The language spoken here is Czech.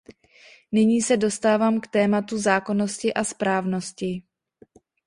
Nyní se dostávám k tématu zákonnosti a správnosti.